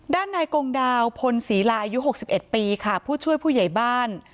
ด้านในกรงดาวพลศีลายุหกสิบเอ็ดปีค่ะผู้ช่วยผู้ใหญ่บ้าน